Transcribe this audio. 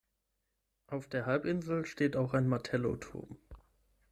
Auf der Halbinsel steht auch ein Martello-Turm.